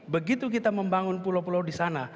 begitu kita membangun pulau pulau di sana